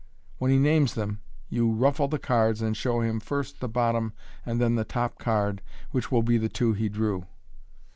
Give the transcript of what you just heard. When he names them, you " ruffle " the cards, and show him first the bottom and then the top card, which will be the two he drew.